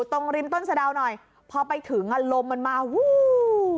ตรงริมต้นสะดาวหน่อยพอไปถึงอ่ะลมมันมาวู้